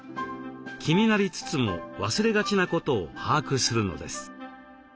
気になりつつも忘れがちなことを把握するのです。